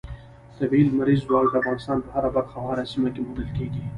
طبیعي لمریز ځواک د افغانستان په هره برخه او هره سیمه کې موندل کېږي.